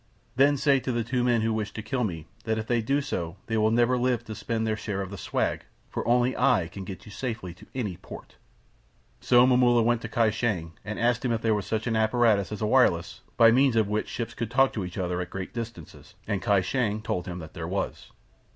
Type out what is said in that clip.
Then say to the two men who wish to kill me that if they do so they will never live to spend their share of the swag, for only I can get you safely to any port." So Momulla went to Kai Shang and asked him if there was such an apparatus as a wireless by means of which ships could talk with each other at great distances, and Kai Shang told him that there was.